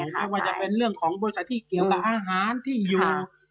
ไม่ว่าจะเป็นเรื่องของบริษัทที่เกี่ยวกับอาหารที่อยู่